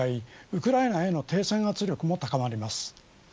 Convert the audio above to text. ウクライナへの停戦圧力も高まります。